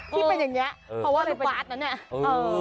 ที่เป็นอย่างนี้เพราะว่าดูบาร์ทนะเนี่ย